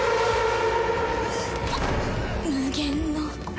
無限の